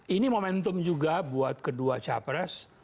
ini momentum juga buat kedua capres